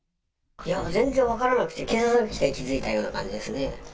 全然分からなくて、警察が来て気付いたような感じですね。